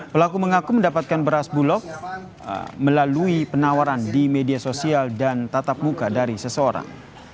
pelaku mengaku mendapatkan beras bulog melalui penawaran di media sosial dan tatap muka dari seseorang